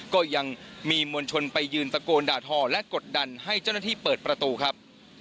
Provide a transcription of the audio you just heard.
ก็ยังมีมวลชนไปยืนตะโกนด่าทอและกดดันให้เจ้าหน้าที่เปิดประตูครับ